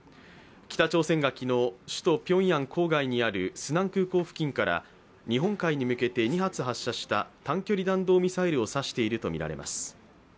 北朝鮮が昨日、首都ピョンヤン郊外にあるスナン空港付近から日本海に向けて２発発射した短距離弾道ミサイルを指しているとみられています。